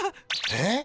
えっ？